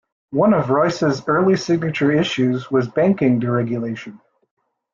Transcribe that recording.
One of Royce's early signature issues was banking deregulation.